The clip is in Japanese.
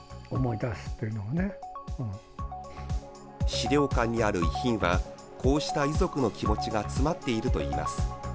資料館にある遺品は、こうした遺族の気持ちが詰まっているといいます。